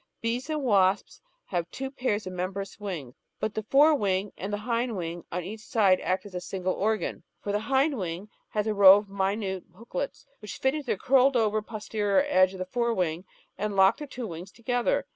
Bees and wasps have two pairs of membranous wings, but the for^ wing and the hind wing on each side act as a single organ, for the hind wing has a row of minute booklets which fit into the curled over posterior edge of the fore wing and lock the two wings to gether.